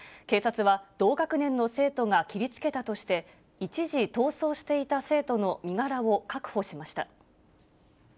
警察は同学年の生徒が切りつけたとして、一時逃走していた生徒の身柄を確保しました。